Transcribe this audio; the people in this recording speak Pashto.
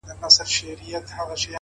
سترې موخې ستر صبر غواړي’